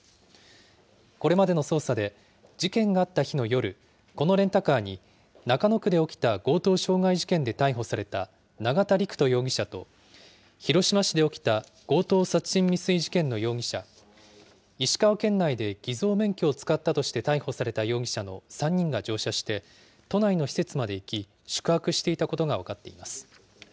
これまでの捜査で、事件があった日の夜、このレンタカーに、中野区で起きた強盗傷害事件で逮捕された永田陸人容疑者と、広島市で起きた強盗殺人未遂事件の容疑者、石川県内で偽造免許を使ったとして逮捕された容疑者の３人が乗車して、都内の施設まで行き、宿泊していたことが分かっています。